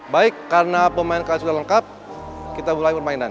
baik karena pemain kelas sudah lengkap kita mulai permainan